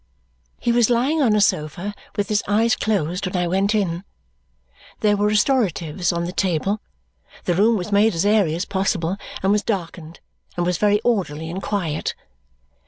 He was lying on a sofa with his eyes closed when I went in. There were restoratives on the table; the room was made as airy as possible, and was darkened, and was very orderly and quiet.